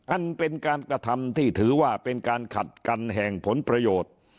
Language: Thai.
อันเป็นการกระทำที่ถือว่าเป็นการขัดกันแห่งผลประโยชน์